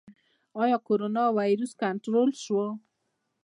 آیا کرونا ویروس کنټرول شو؟